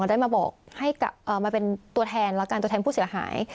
เราได้มาเป็นตัวแทนและการตัวแทนผู้เสียหาย